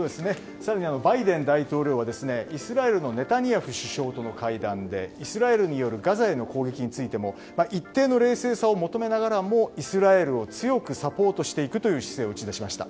バイデン大統領はイスラエルのネタニヤフ首相との会談でイスラエルによるガザへの攻撃についても一定の冷静さを求めながらもイスラエルを強くサポートしていくという姿勢を打ち出しました。